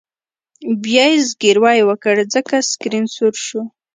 بیا یې زګیروی وکړ ځکه سکرین سور شو